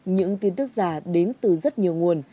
những tin tức giả đến từ rất nhiều nguồn